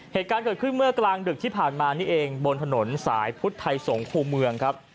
เหตุการณ์เกิดขึ้นเมื่อกลางดึกที่ผ่านมานี่เองบนถนนสายพุทธไทยสงคูเมืองครับ